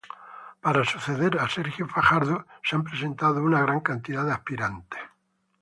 Para suceder a Sergio Fajardo se han presentado una gran cantidad de aspirantes.